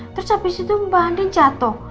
terus abis itu mbak andien jatuh